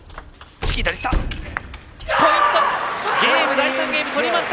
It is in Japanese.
第３ゲーム取りました！